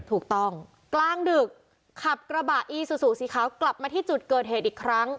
กลางดึกขับกระบะอีซูซูสีขาวกลับมาที่จุดเกิดเหตุอีกครั้ง